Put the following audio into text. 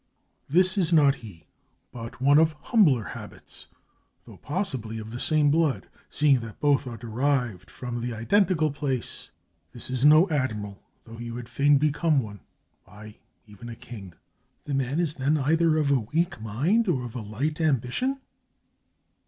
"This is not he, but one of humbler habits, though possibly of the same blood, seeing that both are derived from the identical place. This is no admiral, though he would fain become one — aye, even a king!" "The man is, then, either of a weak mind, or of a light ambition?"